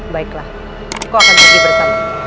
baiklah engkau akan pergi bersama